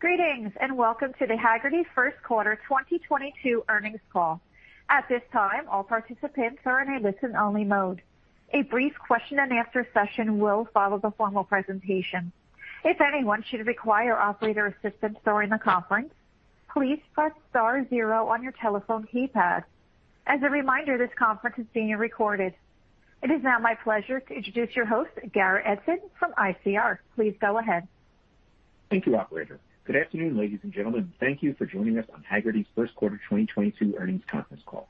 Greetings, and welcome to the Hagerty first quarter 2022 earnings call. At this time, all participants are in a listen-only mode. A brief question and answer session will follow the formal presentation. If anyone should require operator assistance during the conference, please press star zero on your telephone keypad. As a reminder, this conference is being recorded. It is now my pleasure to introduce your host, Garrett Edson from ICR. Please go ahead. Thank you, operator. Good afternoon, ladies and gentlemen. Thank you for joining us on Hagerty's first quarter 2022 earnings conference call.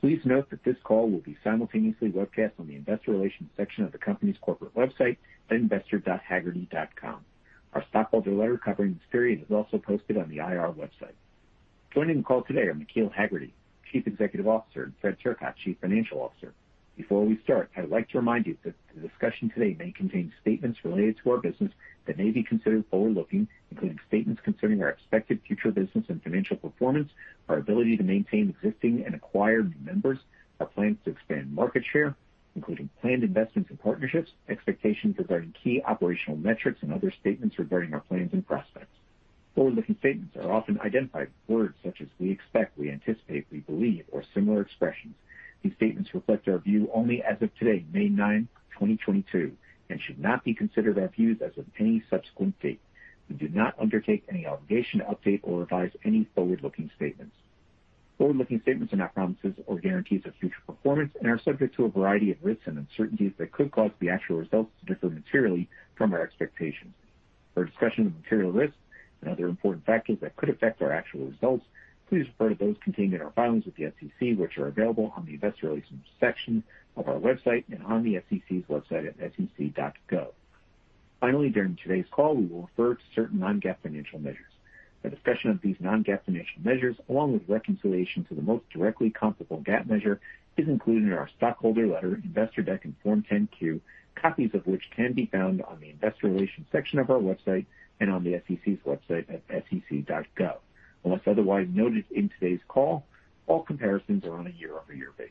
Please note that this call will be simultaneously webcast on the investor relations section of the company's corporate website at investor dot hagerty dot com. Our stockholder letter covering this period is also posted on the IR website. Joining the call today are McKeel Hagerty, Chief Executive Officer, and Fred Turcotte, Chief Financial Officer. Before we start, I'd like to remind you that the discussion today may contain statements related to our business that may be considered forward-looking, including statements concerning our expected future business and financial performance, our ability to maintain existing and acquire new members, our plans to expand market share, including planned investments and partnerships, expectations regarding key operational metrics, and other statements regarding our plans and prospects. Forward-looking statements are often identified with words such as we expect, we anticipate, we believe, or similar expressions. These statements reflect our view only as of today, May 9, 2022, and should not be considered our views as of any subsequent date. We do not undertake any obligation to update or revise any forward-looking statements. Forward-looking statements are not promises or guarantees of future performance and are subject to a variety of risks and uncertainties that could cause the actual results to differ materially from our expectations. For a discussion of material risks and other important factors that could affect our actual results, please refer to those contained in our filings with the SEC, which are available on the investor relations section of our website and on the SEC's website at sec.gov. Finally, during today's call, we will refer to certain non-GAAP financial measures. A discussion of these non-GAAP financial measures, along with reconciliation to the most directly comparable GAAP measure, is included in our stockholder letter, investor deck, and Form 10-Q, copies of which can be found on the investor relations section of our website and on the SEC's website at sec.gov. Unless otherwise noted in today's call, all comparisons are on a year-over-year basis.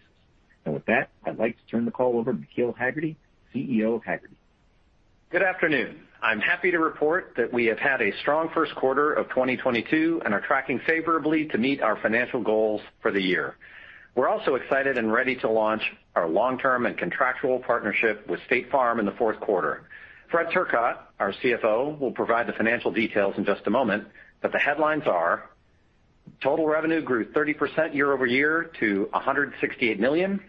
With that, I'd like to turn the call over to McKeel Hagerty, CEO of Hagerty. Good afternoon. I'm happy to report that we have had a strong first quarter of 2022 and are tracking favorably to meet our financial goals for the year. We're also excited and ready to launch our long-term and contractual partnership with State Farm in the fourth quarter. Fred Turcotte, our CFO, will provide the financial details in just a moment, but the headlines are total revenue grew 30% year-over-year to $168 million.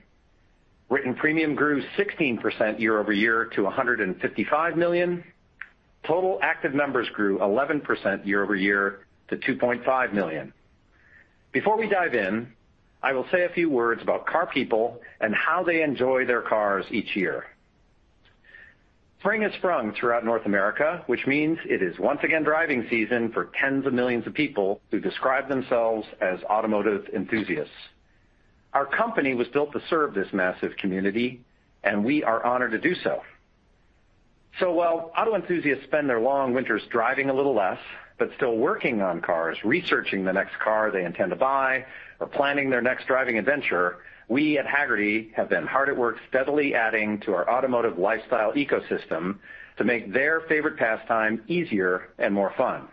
Written premium grew 16% year-over-year to $155 million. Total active members grew 11% year-over-year to 2.5 million. Before we dive in, I will say a few words about car people and how they enjoy their cars each year. Spring has sprung throughout North America, which means it is once again driving season for tens of millions of people who describe themselves as automotive enthusiasts. Our company was built to serve this massive community, and we are honored to do so. While auto enthusiasts spend their long winters driving a little less, but still working on cars, researching the next car they intend to buy, or planning their next driving adventure, we at Hagerty have been hard at work steadily adding to our automotive lifestyle ecosystem to make their favorite pastime easier and more fun.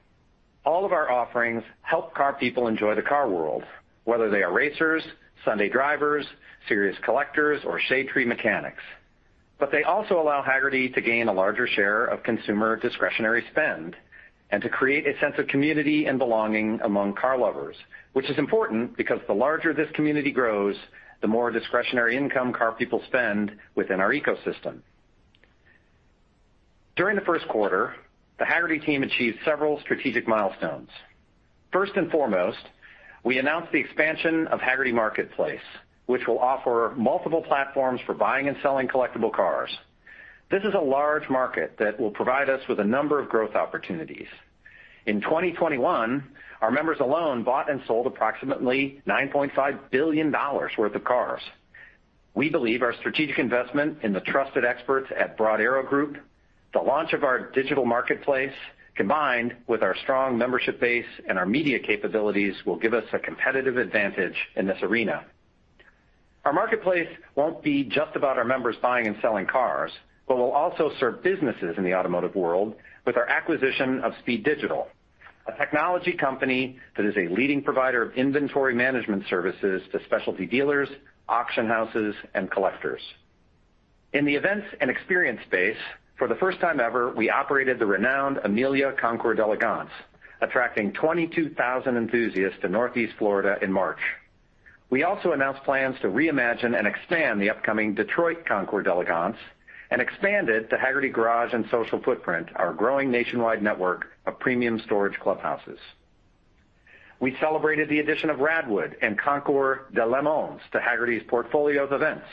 All of our offerings help car people enjoy the car world, whether they are racers, Sunday drivers, serious collectors, or shade tree mechanics. They also allow Hagerty to gain a larger share of consumer discretionary spend and to create a sense of community and belonging among car lovers, which is important because the larger this community grows, the more discretionary income car people spend within our ecosystem. During the first quarter, the Hagerty team achieved several strategic milestones. First and foremost, we announced the expansion of Hagerty Marketplace, which will offer multiple platforms for buying and selling collectible cars. This is a large market that will provide us with a number of growth opportunities. In 2021, our members alone bought and sold approximately $9.5 billion worth of cars. We believe our strategic investment in the trusted experts at Broad Arrow Group, the launch of our digital marketplace, combined with our strong membership base and our media capabilities, will give us a competitive advantage in this arena. Our marketplace won't be just about our members buying and selling cars, but will also serve businesses in the automotive world with our acquisition of Speed Digital, a technology company that is a leading provider of inventory management services to specialty dealers, auction houses, and collectors. In the events and experience space, for the first time ever, we operated the renowned Amelia Island Concours d'Elegance, attracting 22,000 enthusiasts to Northeast Florida in March. We also announced plans to reimagine and expand the upcoming Detroit Concours d'Elegance and expand it to Hagerty Garage + Social footprint, our growing nationwide network of premium storage clubhouses. We celebrated the addition of RADwood and Concours d'Lemons to Hagerty's portfolio of events.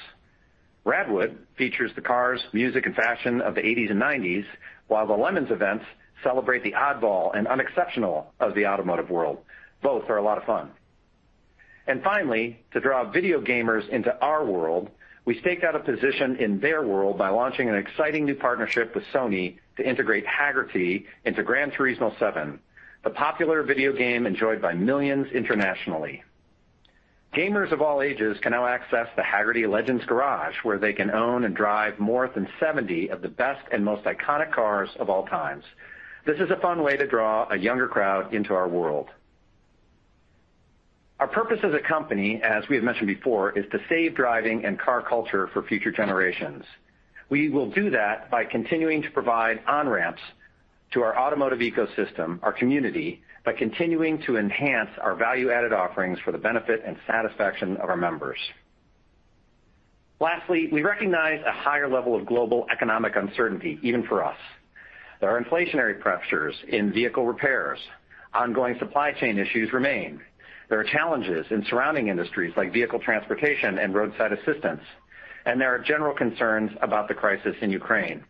RADwood features the cars, music, and fashion of the eighties and nineties, while the Lemons events celebrate the oddball and unexceptional of the automotive world. Both are a lot of fun. Finally, to draw video gamers into our world, we staked out a position in their world by launching an exciting new partnership with Sony to integrate Hagerty into Gran Turismo 7, the popular video game enjoyed by millions internationally. Gamers of all ages can now access the Hagerty Collection, where they can own and drive more than 70 of the best and most iconic cars of all time. This is a fun way to draw a younger crowd into our world. Our purpose as a company, as we have mentioned before, is to save driving and car culture for future generations. We will do that by continuing to provide on-ramps to our automotive ecosystem, our community, by continuing to enhance our value-added offerings for the benefit and satisfaction of our members. Lastly, we recognize a higher level of global economic uncertainty even for us. There are inflationary pressures in vehicle repairs. Ongoing supply chain issues remain. There are challenges in surrounding industries like vehicle transportation and roadside assistance, and there are general concerns about the crisis in Ukraine.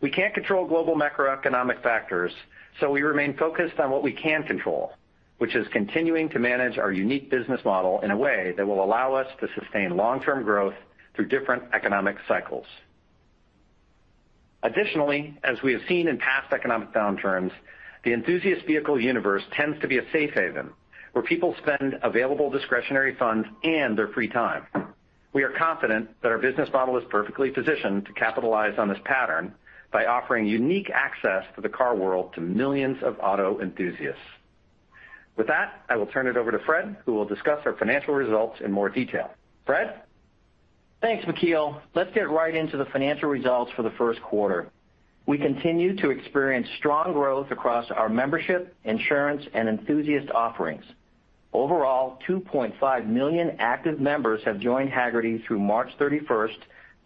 We can't control global macroeconomic factors, so we remain focused on what we can control, which is continuing to manage our unique business model in a way that will allow us to sustain long-term growth through different economic cycles. Additionally, as we have seen in past economic downturns, the enthusiast vehicle universe tends to be a safe haven where people spend available discretionary funds and their free time. We are confident that our business model is perfectly positioned to capitalize on this pattern by offering unique access to the car world to millions of auto enthusiasts. With that, I will turn it over to Fred, who will discuss our financial results in more detail. Fred? Thanks, McKeel. Let's get right into the financial results for the first quarter. We continue to experience strong growth across our membership, insurance, and enthusiast offerings. Overall, 2.5 million active members have joined Hagerty through March 31,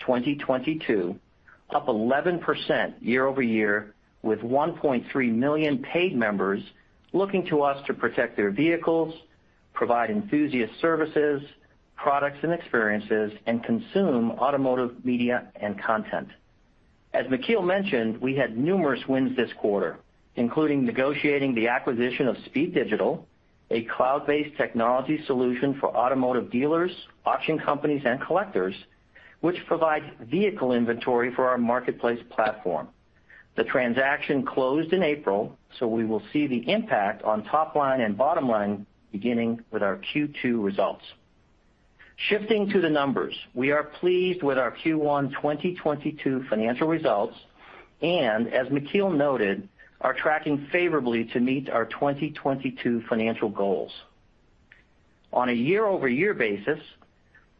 2022, up 11% year-over-year, with 1.3 million paid members looking to us to protect their vehicles, provide enthusiast services, products and experiences, and consume automotive media and content. As McKeel mentioned, we had numerous wins this quarter, including negotiating the acquisition of Speed Digital, a cloud-based technology solution for automotive dealers, auction companies and collectors, which provides vehicle inventory for our marketplace platform. The transaction closed in April, so we will see the impact on top line and bottom line beginning with our Q2 results. Shifting to the numbers. We are pleased with our Q1 2022 financial results and as McKeel noted, are tracking favorably to meet our 2022 financial goals. On a year-over-year basis,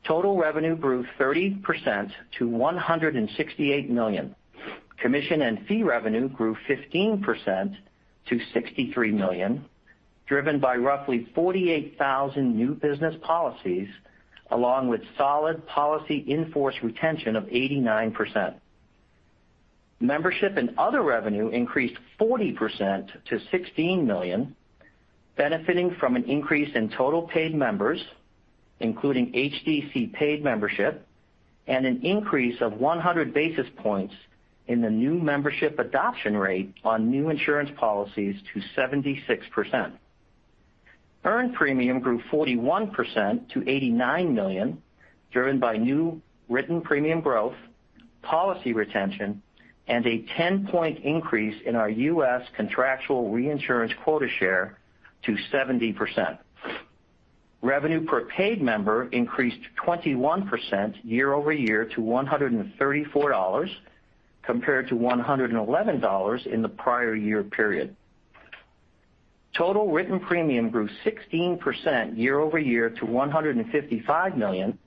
total revenue grew 30% to $168 million. Commission and fee revenue grew 15% to $63 million, driven by roughly 48,000 new business policies along with solid policy in-force retention of 89%. Membership and other revenue increased 40% to $16 million, benefiting from an increase in total paid members, including HDC paid membership and an increase of 100 basis points in the new membership adoption rate on new insurance policies to 76%. Earned premium grew 41% to $89 million, driven by new written premium growth, policy retention and a 10-point increase in our U.S. contractual reinsurance quota share to 70%. Revenue per paid member increased 21% year-over-year to $134, compared to $111 in the prior year period. Total written premium grew 16% year-over-year to $155 million,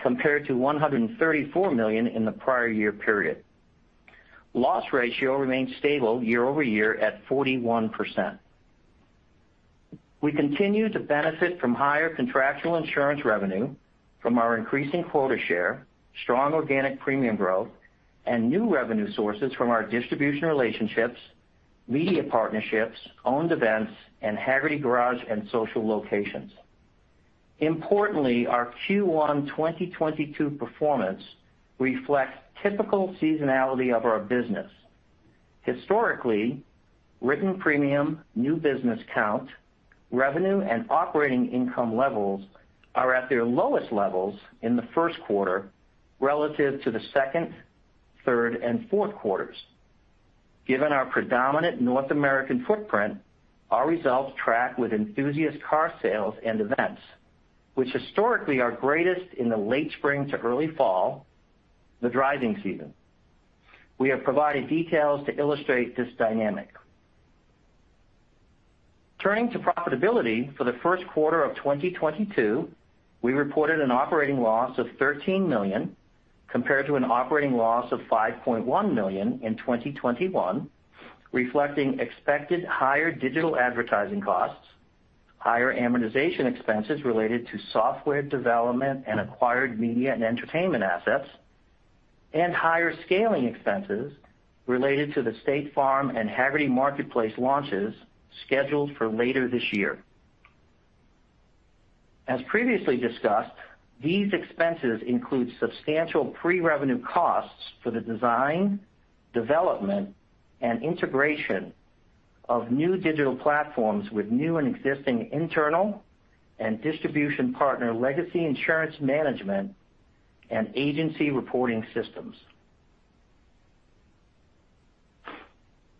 compared to $134 million in the prior year period. Loss ratio remained stable year-over-year at 41%. We continue to benefit from higher contractual insurance revenue from our increasing quota share, strong organic premium growth and new revenue sources from our distribution relationships, media partnerships, owned events and Hagerty Garage + Social locations. Importantly, our Q1 2022 performance reflects typical seasonality of our business. Historically, written premium, new business count, revenue and operating income levels are at their lowest levels in the first quarter relative to the second, third and fourth quarters. Given our predominant North American footprint, our results track with enthusiast car sales and events which historically are greatest in the late spring to early fall, the driving season. We have provided details to illustrate this dynamic. Turning to profitability. For the first quarter of 2022, we reported an operating loss of $13 million, compared to an operating loss of $5.1 million in 2021, reflecting expected higher digital advertising costs, higher amortization expenses related to software development and acquired media and entertainment assets, and higher scaling expenses related to the State Farm and Hagerty Marketplace launches scheduled for later this year. As previously discussed, these expenses include substantial pre-revenue costs for the design, development and integration of new digital platforms with new and existing internal and distribution partner legacy insurance management and agency reporting systems.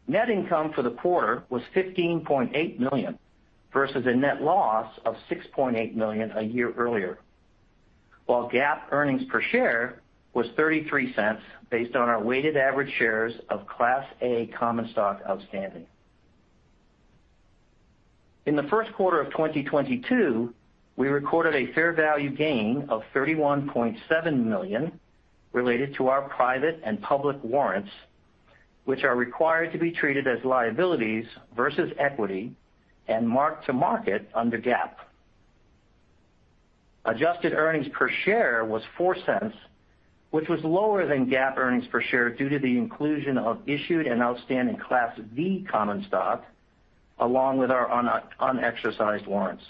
Net income for the quarter was $15.8 million, versus a net loss of $6.8 million a year earlier. While GAAP earnings per share was $0.33 based on our weighted average shares of Class A common stock outstanding. In the first quarter of 2022, we recorded a fair value gain of $31.7 million related to our private and public warrants, which are required to be treated as liabilities versus equity and marked to market under GAAP. Adjusted earnings per share was $0.04, which was lower than GAAP earnings per share due to the inclusion of issued and outstanding Class V common stock, along with our unexercised warrants.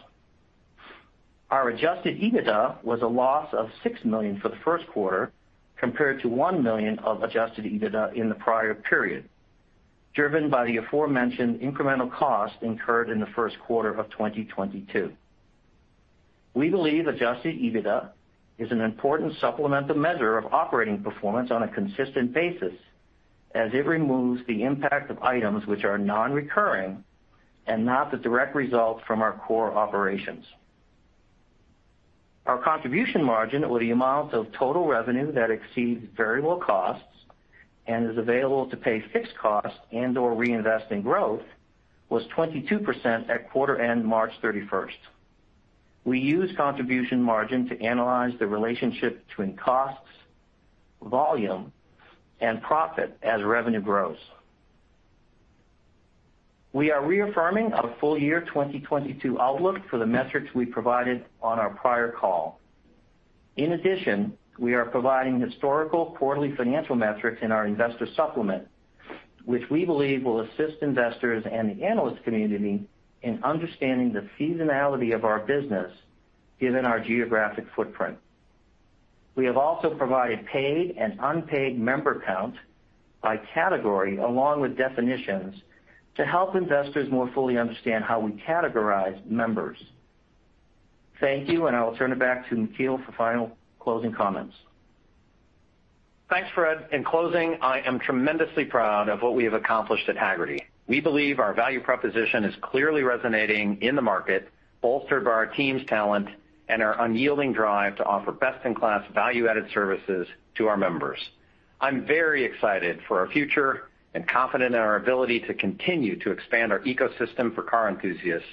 Our adjusted EBITDA was a loss of $6 million for the first quarter compared to $1 million of adjusted EBITDA in the prior period, driven by the aforementioned incremental costs incurred in the first quarter of 2022. We believe adjusted EBITDA is an important supplemental measure of operating performance on a consistent basis as it removes the impact of items which are non-recurring and not the direct result from our core operations. Our contribution margin or the amount of total revenue that exceeds variable costs and is available to pay fixed costs and/or reinvest in growth was 22% at quarter end March 31. We use contribution margin to analyze the relationship between costs, volume, and profit as revenue grows. We are reaffirming our full-year 2022 outlook for the metrics we provided on our prior call. In addition, we are providing historical quarterly financial metrics in our investor supplement, which we believe will assist investors and the analyst community in understanding the seasonality of our business given our geographic footprint. We have also provided paid and unpaid member count by category along with definitions to help investors more fully understand how we categorize members. Thank you, and I will turn it back to McKeel for final closing comments. Thanks, Fred. In closing, I am tremendously proud of what we have accomplished at Hagerty. We believe our value proposition is clearly resonating in the market, bolstered by our team's talent and our unyielding drive to offer best-in-class value-added services to our members. I'm very excited for our future and confident in our ability to continue to expand our ecosystem for car enthusiasts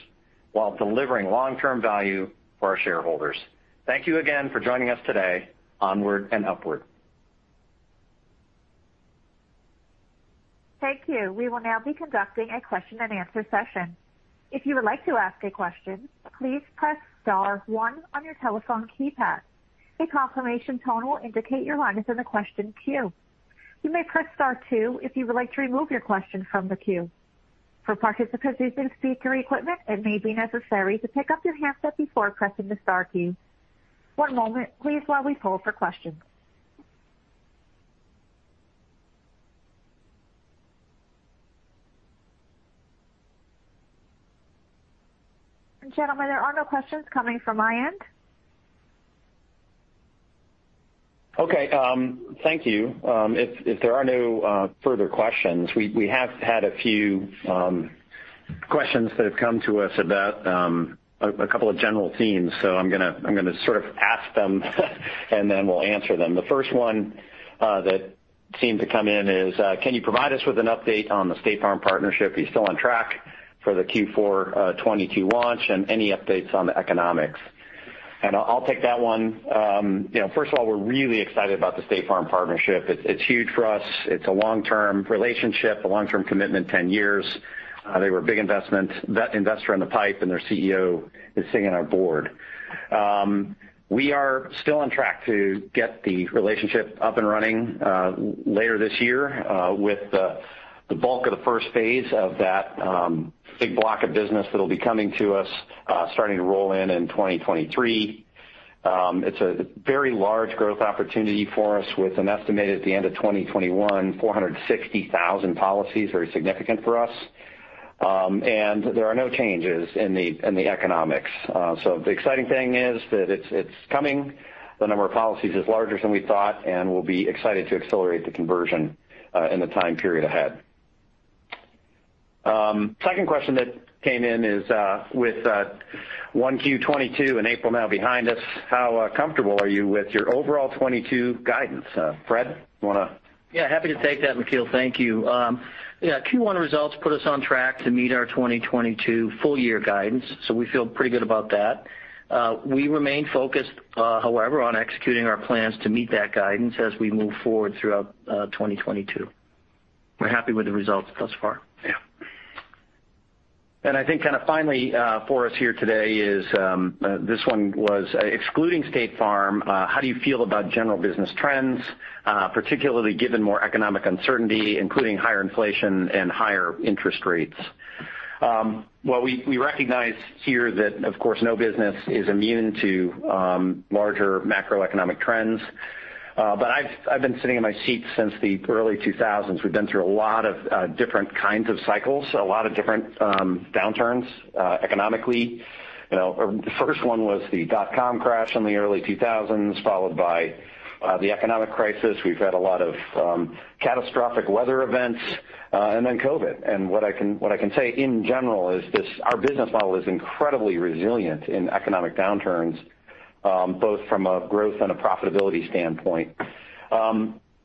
while delivering long-term value for our shareholders. Thank you again for joining us today. Onward and upward. Thank you. We will now be conducting a question and answer session. If you would like to ask a question, please press star one on your telephone keypad. A confirmation tone will indicate your line is in the question queue. You may press star two if you would like to remove your question from the queue. For participants using speaker equipment, it may be necessary to pick up your handset before pressing the star key. One moment please while we poll for questions. Gentlemen, there are no questions coming from my end. Okay, thank you. If there are no further questions, we have had a few questions that have come to us about a couple of general themes. I'm gonna sort of ask them and then we'll answer them. The first one that seemed to come in is, can you provide us with an update on the State Farm partnership? Are you still on track for the Q4 2022 launch, and any updates on the economics? I'll take that one. You know, first of all, we're really excited about the State Farm partnership. It's huge for us. It's a long-term relationship, a long-term commitment, 10 years. They were a big investment. That investor in the PIPE and their CEO is sitting on our board. We are still on track to get the relationship up and running later this year with the bulk of the first phase of that big block of business that'll be coming to us starting to roll in in 2023. It's a very large growth opportunity for us with an estimated at the end of 2021 460,000 policies, very significant for us. There are no changes in the economics. The exciting thing is that it's coming. The number of policies is larger than we thought, and we'll be excited to accelerate the conversion in the time period ahead. Second question that came in is with 1Q 2022 and April now behind us, how comfortable are you with your overall 2022 guidance? Fred, you wanna? Yeah, happy to take that, McKeel. Thank you. Yeah, Q1 results put us on track to meet our 2022 full year guidance, so we feel pretty good about that. We remain focused, however, on executing our plans to meet that guidance as we move forward throughout 2022. We're happy with the results thus far. Yeah. I think kind of finally, for us here today, this one was, excluding State Farm, how do you feel about general business trends, particularly given more economic uncertainty, including higher inflation and higher interest rates? Well, we recognize here that, of course, no business is immune to larger macroeconomic trends. I've been sitting in my seat since the early 2000s. We've been through a lot of different kinds of cycles, a lot of different downturns, economically. You know, the first one was the dot-com crash in the early 2000s, followed by the economic crisis. We've had a lot of catastrophic weather events, and then COVID. What I can say in general is this, our business model is incredibly resilient in economic downturns, both from a growth and a profitability standpoint.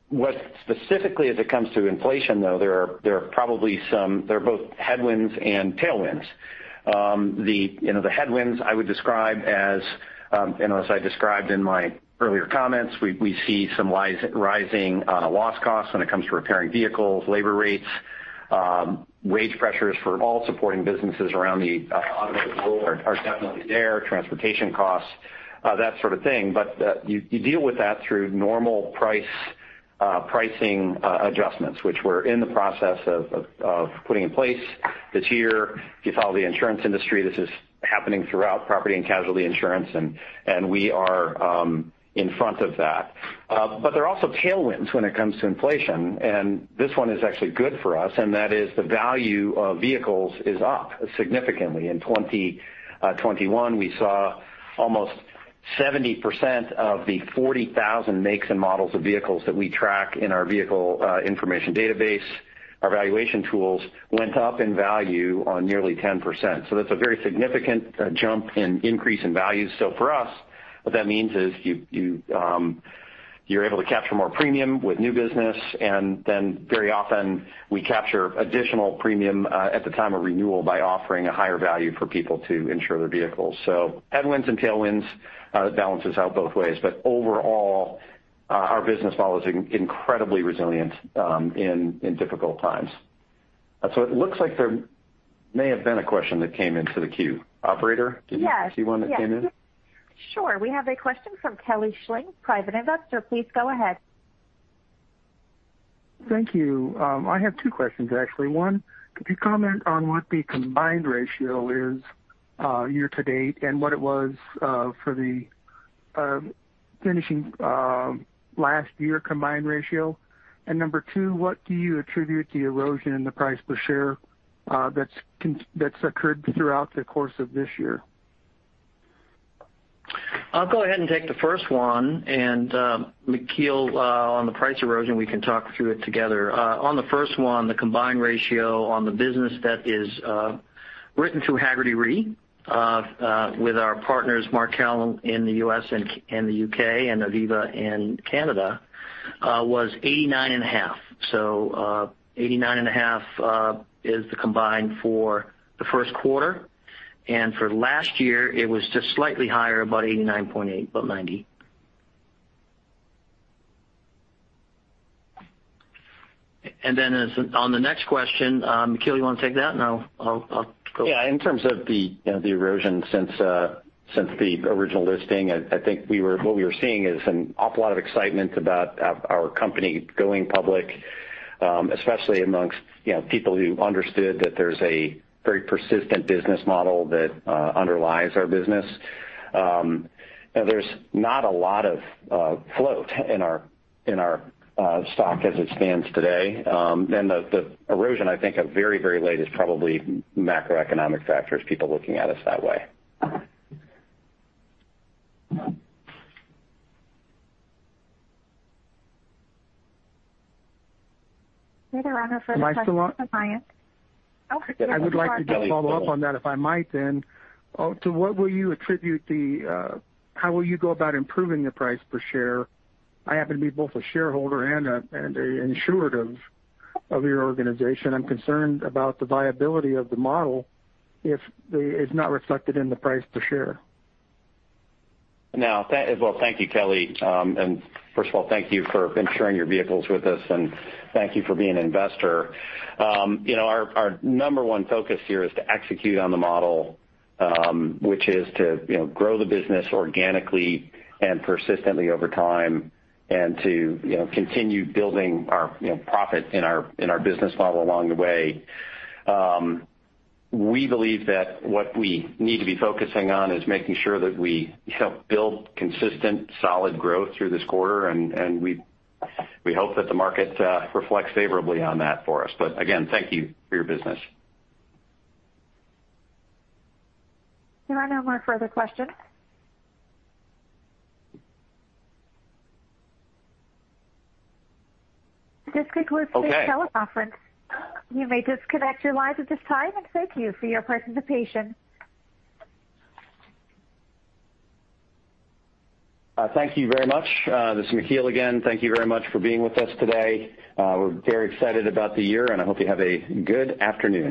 What specifically as it comes to inflation, though, there are both headwinds and tailwinds. You know, the headwinds I would describe as, you know, as I described in my earlier comments, we see some rising loss costs when it comes to repairing vehicles, labor rates, wage pressures for all supporting businesses around the automotive world are definitely there, transportation costs, that sort of thing. You deal with that through normal pricing adjustments, which we're in the process of putting in place this year. If you follow the insurance industry, this is happening throughout property and casualty insurance, and we are in front of that. But there are also tailwinds when it comes to inflation, and this one is actually good for us, and that is the value of vehicles is up significantly. In 2021, we saw almost 70% of the 40,000 makes and models of vehicles that we track in our vehicle information database, our valuation tools went up in value on nearly 10%. So that's a very significant jump in increase in value. So for us, what that means is you're able to capture more premium with new business, and then very often we capture additional premium at the time of renewal by offering a higher value for people to insure their vehicles. Headwinds and tailwinds balances out both ways. Overall, our business model is incredibly resilient in difficult times. It looks like there may have been a question that came into the queue. Operator, did you see one that came in? Sure. We have a question from Kelly Schling, private investor. Please go ahead. Thank you. I have two questions, actually. One, could you comment on what the combined ratio is year to date and what it was for the finishing last year combined ratio? Number two, what do you attribute the erosion in the price per share that's occurred throughout the course of this year? I'll go ahead and take the first one. McKeel, on the price erosion, we can talk through it together. On the first one, the combined ratio on the business that is written through Hagerty Re, with our partners, Markel in the U.S. and the U.K., and Aviva in Canada, was 89.5%. 89.5% is the combined for the first quarter, and for last year, it was just slightly higher, about 89.8%, but 90%. On the next question, McKeel, you wanna take that, and I'll go? Yeah. In terms of the, you know, the erosion since the original listing, I think what we were seeing is an awful lot of excitement about our company going public, especially among, you know, people who understood that there's a very persistent business model that underlies our business. There's not a lot of float in our stock as it stands today. The erosion, I think at the very least is probably macroeconomic factors, people looking at us that way. There are no further questions in the line. Am I still on? Oh, go ahead, Kelly. I would like to just follow up on that, if I might then. To what will you attribute the. How will you go about improving the price per share? I happen to be both a shareholder and an insured of your organization. I'm concerned about the viability of the model if it's not reflected in the price per share. Well, thank you, Kelly. And first of all, thank you for insuring your vehicles with us, and thank you for being an investor. You know, our number one focus here is to execute on the model, which is to, you know, grow the business organically and persistently over time, and to, you know, continue building our, you know, profit in our business model along the way. We believe that what we need to be focusing on is making sure that we help build consistent, solid growth through this quarter, and we hope that the market reflects favorably on that for us. Again, thank you for your business. There are no more further questions. This concludes. Okay. This teleconference. You may disconnect your lines at this time, and thank you for your participation. Thank you very much. This is McKeel Hagerty again. Thank you very much for being with us today. We're very excited about the year, and I hope you have a good afternoon.